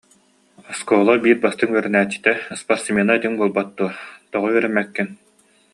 Оскуола биир бастыҥ үөрэнээччитэ, спортсмена этиҥ буолбат дуо, тоҕо үөрэммэккин